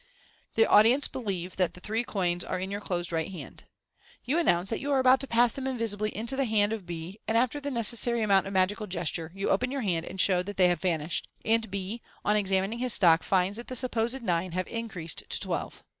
The audience believe that the three coins are in your closed right hand. You announce that you are about to pass them invisibly into the hand of B, and after the necessary amount of magical ges ture, you open your hand, and show that they have vanished j and B, on examining his stock, finds that the supposed nine have increased to twelve.